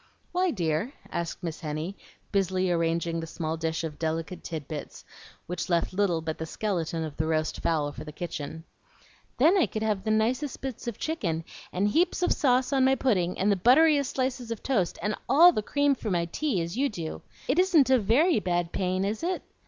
"Why, dear?" asked Miss Henny, busily arranging the small dish of delicate tidbits, which left little but the skeleton of the roast fowl for the kitchen. "Then I could have the nicest bits of chicken, and heaps of sauce on my pudding, and the butteryest slices of toast, and ALL the cream for my tea, as you do. It isn't a VERY bad pain, is it?"